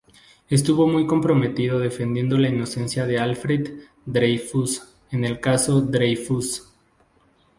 Estuvo muy comprometido defendiendo la inocencia de Alfred Dreyfus en el Caso Dreyfus.